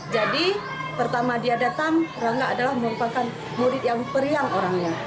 jadi pertama dia datang rangga adalah merupakan murid yang priang orangnya